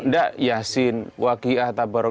nggak yasin wakiyah tabarung